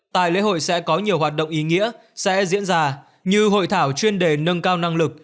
tại lễ hội sẽ có nhiều hoạt động ý nghĩa sẽ diễn ra như hội thảo chuyên đề nâng cao năng lực